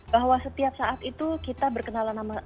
bahwa setiap saat itu kita berkenalan sama